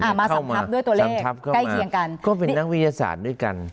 มาสองทับด้วยตัวเลขใกล้เคียงกันก็เป็นนักวิทยาศาสตร์ด้วยกัน